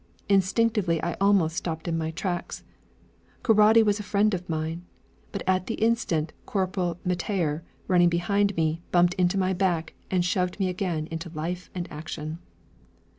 Instinctively, I almost stopped in my tracks: Keraudy was a friend of mine; but at the instant Corporal Mettayer, running behind me, bumped into my back, and shoved me again into life and action.